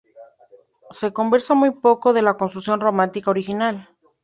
Se conserva muy poco de la construcción románica original.